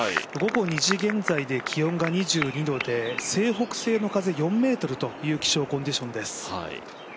午後２時現在で気温が２２度で西北西の風４メートルという気象コンディションです。